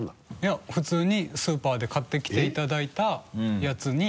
普通にスーパーで買ってきていただいたやつに。